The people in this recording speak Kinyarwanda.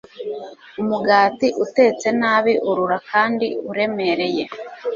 umugati utetse nabi urura kandi uremereye